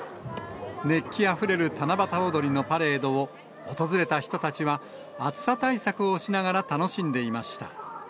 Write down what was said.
熱気あふれる七夕おどりのパレードを、訪れた人たちは暑さ対策をしながら楽しんでいました。